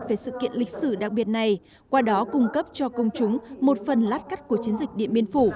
về sự kiện lịch sử đặc biệt này qua đó cung cấp cho công chúng một phần lát cắt của chiến dịch điện biên phủ